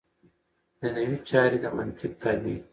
دنیوي چارې د منطق تابع دي.